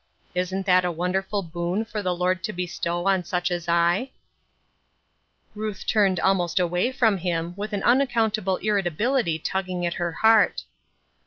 Isn't that a wonderful boon for the Lord to bestow on sucii as I ?" Ruth turned almost awa}' from him, with an unaccountable irritability tugging at her heart.